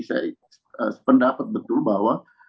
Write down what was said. saya sependapat betul bahwa